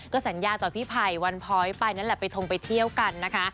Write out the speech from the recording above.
สัญญาต่อพี่ไผ่วันพ้อยไปนั่นแหละไปทงไปเที่ยวกันนะคะ